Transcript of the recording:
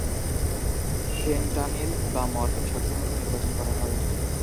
Fentanyl বা morphine সাধারণত নির্বাচন করা হয়।